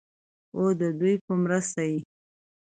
او ددوي پۀ مرسته ئې